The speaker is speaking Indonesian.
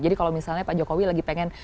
jadi kalau misalnya pak jokowi lagi pengen